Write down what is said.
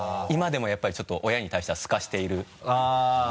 今でもやっぱりちょっと親に対してはすかしている。